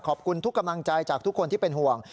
ขอบคุณทุกกำลังใจจากทุกคนที่เป็นห่วง